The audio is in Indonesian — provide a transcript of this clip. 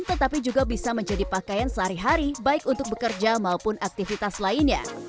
tetapi juga bisa menjadi pakaian sehari hari baik untuk bekerja maupun aktivitas lainnya